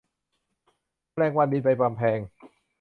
แมลงวันบินไปกำแพง